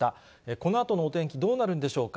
このあとのお天気、どうなるのでしょうか。